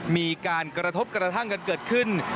มีการกระทบกระทั่งกันเกิดขึ้น